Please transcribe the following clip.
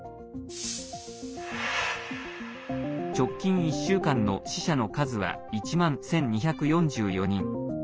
直近１週間の死者の数は１万１２４４人。